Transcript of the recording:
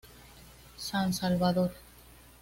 San Salvador".